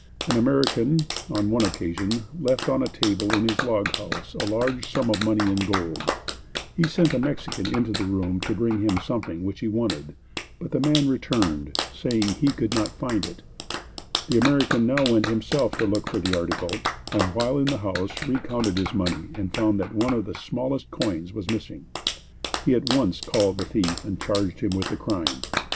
An American, on one occasion, left on a table, in his log house, a large sum of money in gold. He sent a Mexican into this room to bring him something which he wanted, but the man returned saying he could not find it. The American now went himself to look for the article, and, while in the house, recounted his money and found one of the smallest coins missing. He at once called the thief and charged him with the crime.